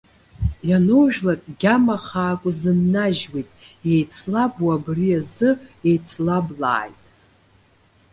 Ианужәлак, гьама хаак узыннажьуеит. Иеицлабуа, абри азы иеицлаблааит.